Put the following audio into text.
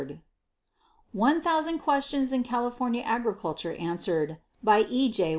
One Thousand Questions in California Agriculture Answered By E. J.